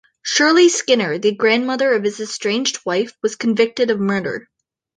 Shirley Skinner, the grandmother of his estranged wife was convicted of murder.